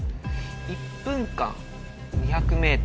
１分間２００ｍ。